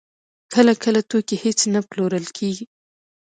کله کله توکي هېڅ نه پلورل کېږي